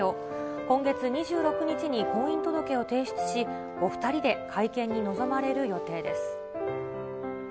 今月２６日に婚姻届を提出し、お２人で会見に臨まれる予定です。